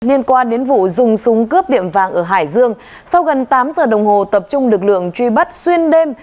nên qua đến vụ dùng súng cướp tiệm vang ở hải dương sau gần tám giờ đồng hồ tập trung lực lượng truy bắt xuyên đêm